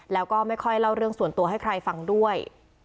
แล้วก็ไม่ค่อยเล่าเรื่องส่วนตัวให้ใครฟังด้วย